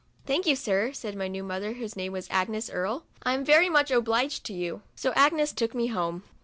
" Thank you, Sir," said my new mother, whose name was Agnes Earl, " I'm very much obliged to you." So Agnes took me home.